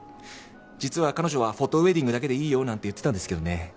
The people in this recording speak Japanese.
実は彼女は「フォトウエディングだけでいいよ」なんて言ってたんですけどね